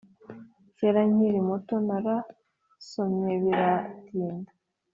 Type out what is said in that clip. Kera nkiri muto narasomye biratinda.